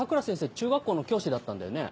中学校の教師だったんだよね？